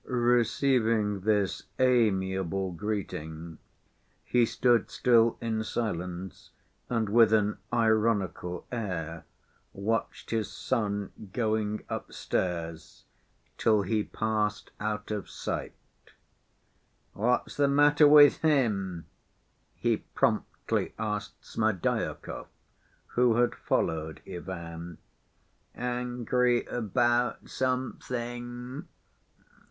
Receiving this amiable greeting, he stood still in silence and with an ironical air watched his son going upstairs, till he passed out of sight. "What's the matter with him?" he promptly asked Smerdyakov, who had followed Ivan. "Angry about something.